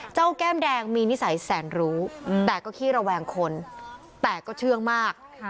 แก้มแดงมีนิสัยแสนรู้แต่ก็ขี้ระแวงคนแต่ก็เชื่องมาก